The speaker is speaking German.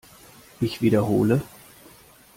Ich wiederhole!